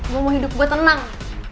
gue mau hidup gue tenang